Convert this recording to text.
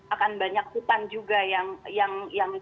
akan banyak hutan juga yang